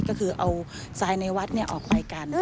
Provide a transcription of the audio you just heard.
ก็คือเอาทรายในวัดออกไปกัน